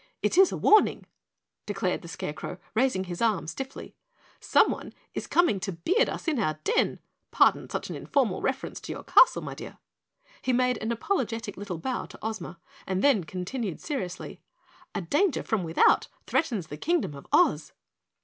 "It is a warning," declared the Scarecrow, raising his arm stiffly. "Someone is coming to beard us in our den (pardon such an informal reference to your castle, my dear,)" he made an apologetic little bow to Ozma and then continued seriously, "a danger from without threatens the Kingdom of Oz."